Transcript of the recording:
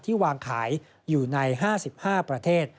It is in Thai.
วางขายอยู่ใน๕๕ประเทศ